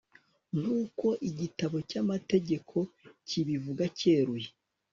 nk'uko igitabo cy'amategeko kibivuga cyeruye